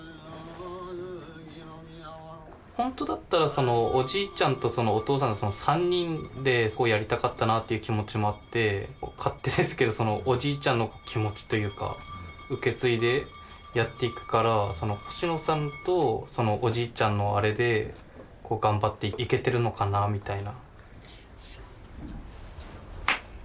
ほんとだったらおじいちゃんとお父さんの３人でやりたかったなっていう気持ちもあって勝手ですけどおじいちゃんの気持ちというか受け継いでやっていくから星野さんとおじいちゃんのあれで頑張っていけてるのかなみたいな。